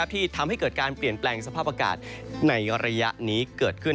ที่ทำให้เกิดการเปลี่ยนแปลงสภาพอากาศในระยะนี้เกิดขึ้น